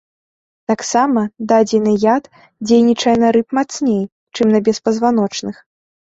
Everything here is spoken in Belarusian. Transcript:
Таксама дадзены яд дзейнічае на рыб мацней, чым на беспазваночных.